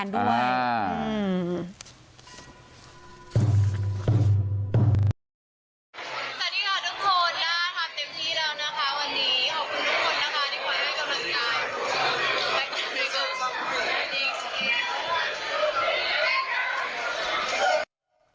สวัสดีค่ะทุกคนทำเต็มที่แล้วนะคะวันนี้